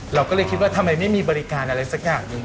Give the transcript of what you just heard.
เราก็เลยคิดว่าทำไมไม่มีบริการอะไรสักอย่างหนึ่ง